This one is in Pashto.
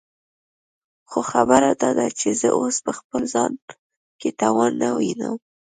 خو خبره داده چې زه اوس په خپل ځان کې توان نه وينم.